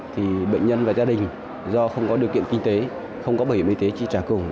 thì bệnh nhân và gia đình do không có điều kiện kinh tế không có bảo hiểm y tế chi trả cùng